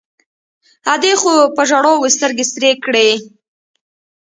ادې خو په ژړاوو سترګې سرې کړې.